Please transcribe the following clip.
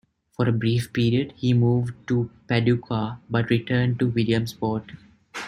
For a brief period, he moved to Paducah, but returned to Williamsport.